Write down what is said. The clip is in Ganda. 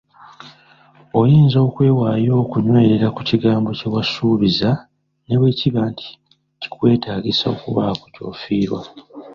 Oyinza okwewaayo okunywerera ku kigambo kye wasuubiza ne bwekiba nti kikwetaagisa okubaako ky'ofiirwa.